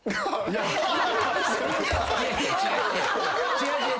違う違う。